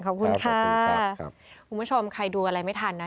ขอบคุณค่ะคุณแจ๊คคุณผู้ชมใครดูอะไรไม่ทันนะ